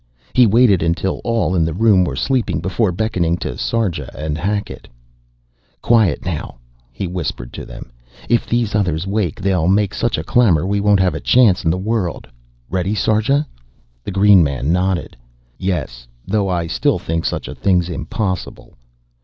He waited until all in the room were sleeping before beckoning to Sarja and Hackett. "Quiet now," he whispered to them. "If these others wake they'll make such a clamor we won't have a chance in the world. Ready, Sarja?" The green man nodded. "Yes, though I still think such a thing's impossible."